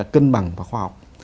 cân bằng và khoa học